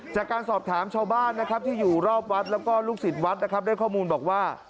จากการสอบถามชาวบ้านที่อยู่รอบวัดแล้วก็ลูกศิลป์วัดได้ข้อมูลบอกว่า